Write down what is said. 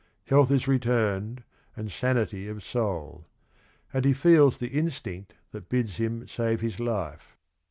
"Health is returned and sanity of soul," and he feels the instinct that bids him save his life.